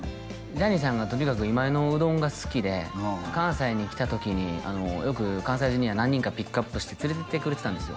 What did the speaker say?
ジャニーさんがとにかく今井のうどんが好きで関西に来た時によく関西ジュニア何人かピックアップして連れていってくれてたんですよ